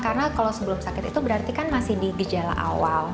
karena kalau sebelum sakit itu berarti kan masih di gejala awal